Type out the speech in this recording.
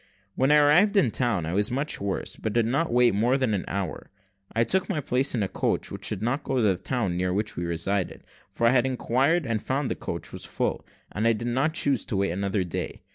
When I arrived in town I was much worse, but did not wait more than an hour. I took my place in a coach which did not go to the town near which we resided; for I had inquired and found that coach was full, and I did not choose to wait another day.